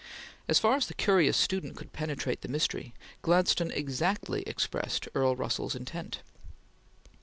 As far as the curious student could penetrate the mystery, Gladstone exactly expressed Earl Russell's intent.